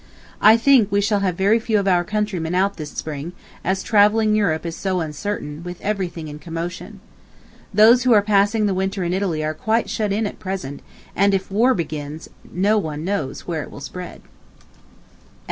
... I think we shall have very few of our countrymen out this spring, as travelling Europe is so uncertain, with everything in commotion. Those who are passing the winter in Italy are quite shut in at present, and if war begins, no one knows where it will spread. _To W. D. B.